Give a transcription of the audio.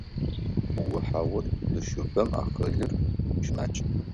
Куо-хьаур зыщыбэм акъылыр щымакӏ.